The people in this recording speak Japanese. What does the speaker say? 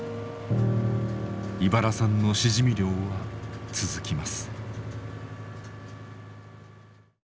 井原さんのしじみ漁は続きます。